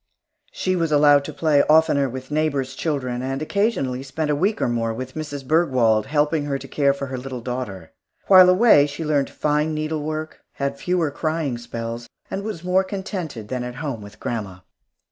She was allowed to play oftener with neighbors' children, and occasionally spent a week or more with Mrs. Bergwald, helping her to care for her little daughter. While away, she learned fine needlework, had fewer crying spells, and was more contented than at home with grandma.